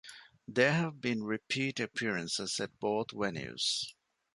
There have been repeat appearances at both venues.